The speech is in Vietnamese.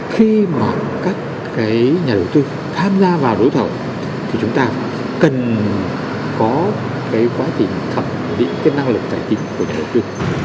khi mà các cái nhà đầu tư tham gia vào đối thảo thì chúng ta cần có cái quá trình thẩm định cái năng lực giải trị của nhà đầu tư